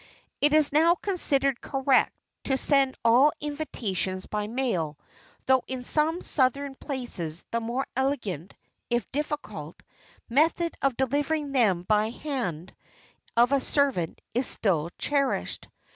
It is now considered correct to send all invitations by mail, though in some southern places the more elegant—if difficult—method of delivering them by the hand of a servant is still cherished.